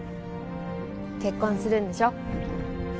結婚するんでしょ？